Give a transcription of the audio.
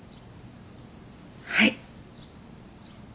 はい。